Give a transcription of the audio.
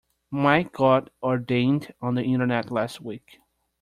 Mike got ordained on the internet last week.